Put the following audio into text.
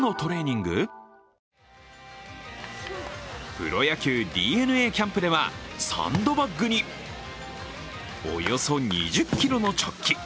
プロ野球、ＤｅＮＡキャンプではサンドバッグにおよそ２０ｋｇのチョッキ。